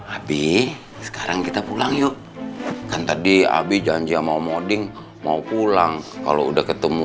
abi sekarang kita pulang yuk kan tadi abi janji mau moding mau pulang kalau udah ketemu